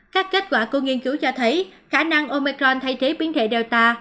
các kết quả của nghiên cứu cho thấy khả năng omecron thay thế biến thể delta